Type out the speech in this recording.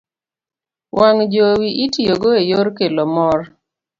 wang' jowi itiyogo e yor kelo mor.